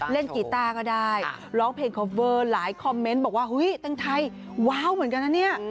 กีต้าก็ได้ร้องเพลงคอฟเวอร์หลายคอมเมนต์บอกว่าเฮ้ยแตงไทยว้าวเหมือนกันนะเนี่ย